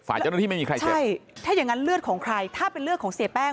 เจ้าหน้าที่ไม่มีใครเจ็บใช่ถ้าอย่างงั้นเลือดของใครถ้าเป็นเลือดของเสียแป้ง